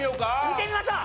見てみましょう！